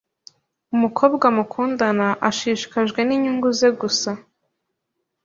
umukobwa mukundana ashishikajwe n’inyunguze gusa